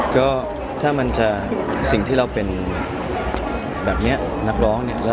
ก็ถ้ามันจะสิ่งที่เราเป็นแบบนี้นักร้องเนี่ย